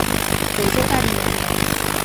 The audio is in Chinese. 北周大定元年。